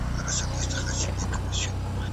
په فضا کې د داسې پېښو ثبتول د علمي پرمختګ نښه ده.